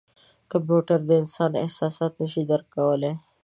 کمپیوټر د انسان احساسات نه شي درک کولای.